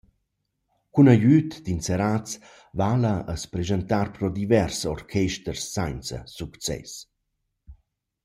Cun agüd d’inserats va’la as preschantar pro divers orchesters sainza success.